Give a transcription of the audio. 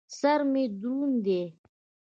سر مې دروند دى.